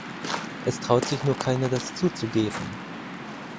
Es traut sich nur keiner, das zuzugeben.